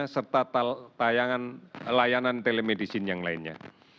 serta layanan telemedicine yang lainnya